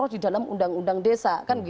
di dalam undang undang desa